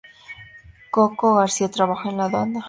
Coco García trabaja en la Aduana.